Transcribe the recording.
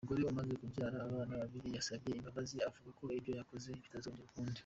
Uyu mugore umaze kubyara abana babiri, yasabye imbabazi avuga ko ibyo yakoze bitazongera ukundi.